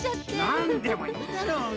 なんでもいいだろうが。